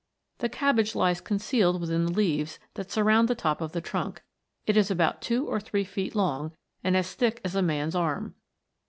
The cabbage lies concealed within the leaves that surround the top of the trunk. It is about two or three feet loner O and as thick as a man's arm.